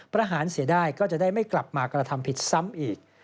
ประหารเสียได้ก็จะได้ไม่กลับมากระทำผิดซ้ำอีก